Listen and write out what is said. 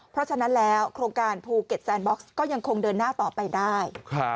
เพราะฉะนั้นแล้วโครงการภูเก็ตแซนบ็อกซ์ก็ยังคงเดินหน้าต่อไปได้